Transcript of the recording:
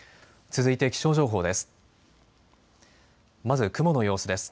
続いて気象情報です。